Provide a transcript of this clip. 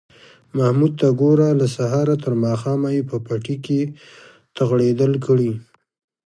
محمود ته گوره! له سهاره تر ماښامه یې په پټي کې تغړېدل کړي